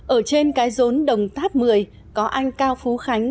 ở trên cái rốn đồng tháp một mươi có anh cao phú khánh